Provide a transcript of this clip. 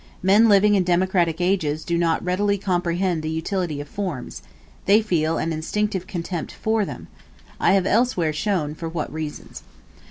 Men living in democratic ages do not readily comprehend the utility of forms: they feel an instinctive contempt for them I have elsewhere shown for what reasons.